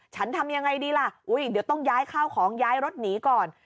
ทำยังไงดีล่ะอุ้ยเดี๋ยวต้องย้ายข้าวของย้ายรถหนีก่อน